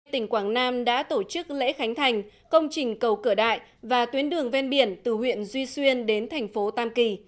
tỉnh quảng nam đã tổ chức lễ khánh thành công trình cầu cửa đại và tuyến đường ven biển từ huyện duy xuyên đến thành phố tam kỳ